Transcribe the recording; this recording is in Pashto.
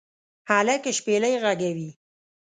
هلک شپیلۍ ږغوي